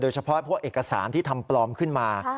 เฉพาะพวกเอกสารที่ทำปลอมขึ้นมา